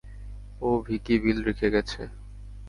ও Vicky bill রেখে গেছে।